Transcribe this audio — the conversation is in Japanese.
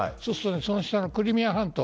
その下のクリミア半島